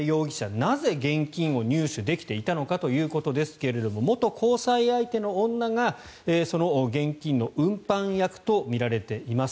なぜ、現金を入手できていたのかということですが元交際相手の女が、その現金の運搬役とみられています。